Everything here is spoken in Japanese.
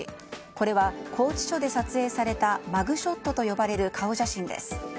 これは、拘置所で撮影されたマグショットと呼ばれる顔写真です。